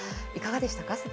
いかがでしたか？